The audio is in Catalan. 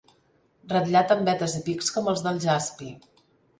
Ratllat amb vetes i pics com els del jaspi.